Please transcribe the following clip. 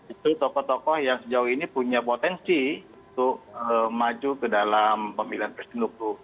itu tokoh tokoh yang sejauh ini punya potensi untuk maju ke dalam pemilihan presiden dua ribu dua puluh empat